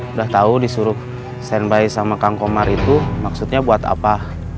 udah tau disuruh stand by sama kang komar itu maksudnya buat apa